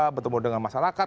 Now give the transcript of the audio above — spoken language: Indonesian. bertemu dengan masyarakat